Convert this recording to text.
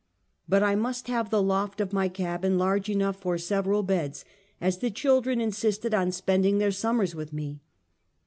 But I must have the loft of my cabin large enough for sev eral beds, as the children insisted on spending their summers with me.